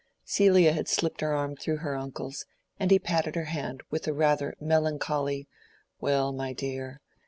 Celia had slipped her arm through her uncle's, and he patted her hand with a rather melancholy "Well, my dear!"